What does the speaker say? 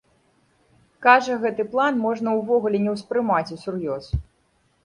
Кажа, гэты план можна ўвогуле не ўспрымаць усур'ёз.